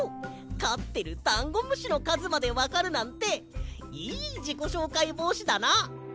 かってるダンゴムシのかずまでわかるなんていいじこしょうかいぼうしだな！